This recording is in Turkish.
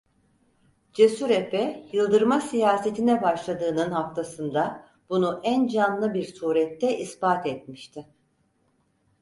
Cesur efe yıldırma siyasetine başladığının haftasında bunu en canlı bir surette ispat etmişti.